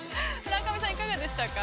◆村上さん、いかがでしたか？